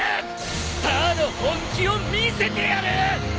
スターの本気を見せてやる！